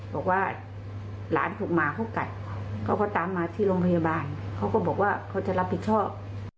บอกว่าหลานผมมาเขากัดเขาก็ตามมาที่โรงพยาบาลเขาก็บอกว่าเขาจะรับผิดชอบ